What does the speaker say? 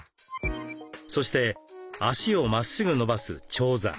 そして足をまっすぐ伸ばす長座。